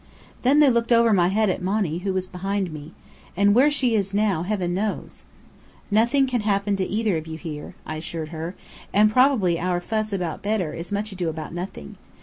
Then they looked over my head at Monny, who was behind me. And where she is now, heaven knows!" "Nothing can happen to either of you here," I assured her. "And probably our fuss about Bedr is much ado about nothing.